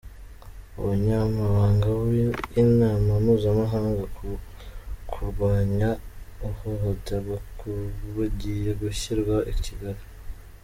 Ubunyamabanga bw’inama mpuzamahanga ku kurwanya ihohoterwa bugiye gushyirwa i Kigali